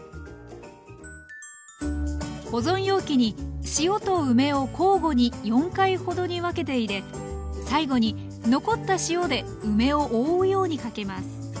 保存容器に塩と梅を交互に４回ほどに分けて入れ最後に残った塩で梅を覆うようにかけます